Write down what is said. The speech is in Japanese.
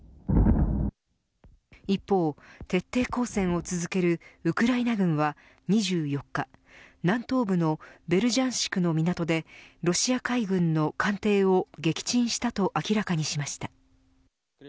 一方、徹底抗戦を続けるウクライナ軍は２４日、南東部のベルジャンシクの港でロシア海軍の艦艇を撃沈したと明らかにしました。